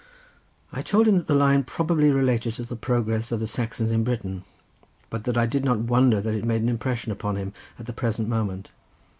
I told him that the line probably related to the progress of the Saxons in Britain, but that I did not wonder that it made an impression upon him at the present moment.